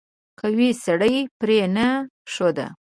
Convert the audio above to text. قوي سړی پرې نه ښود.